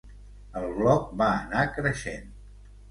El Bloc va anar creixent.